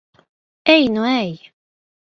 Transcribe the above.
Ej nu ej!